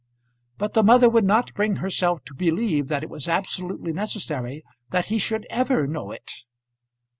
But the mother would not bring herself to believe that it was absolutely necessary that he should ever know it.